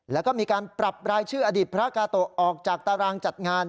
แล้วก็มีการปรับรายชื่ออดีตพระกาโตะออกจากตารางจัดงาน